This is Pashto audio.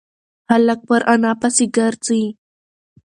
هلک پر انا پسې گرځي.